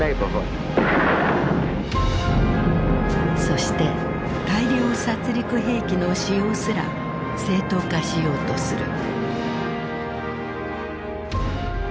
そして大量殺りく兵器の使用すら正当化しようとする。